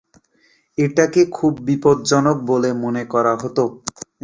এটাকে খুবই বিপদজনক বলে মনে করা হতো।